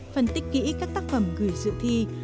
phân tích kỹ các tác phẩm gửi dự thi